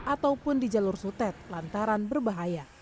ataupun di jalur sutet lantaran berbahaya